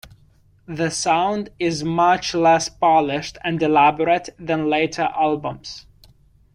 The sound is much less polished and elaborate than later albums.